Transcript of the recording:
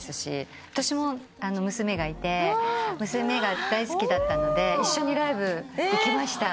私も娘がいて娘が大好きだったので一緒にライブ行きました。